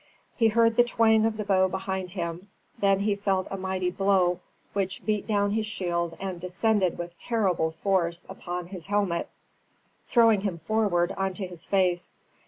He heard the twang of the bow behind him; then he felt a mighty blow, which beat down his shield and descended with terrible force upon his helmet, throwing him forward on to his face.